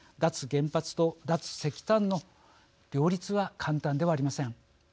原発と脱石炭の両立は簡単ではありません。